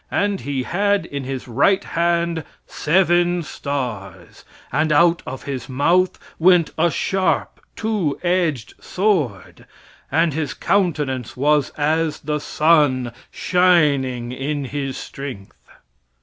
And he had in his right hand seven stars; and out of his mouth went a sharp, two edged sword; and his countenance was as the sun shining in his strength."